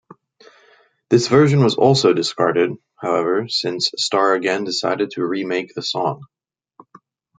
This version was also discarded, however, since Starr again decided to remake the song.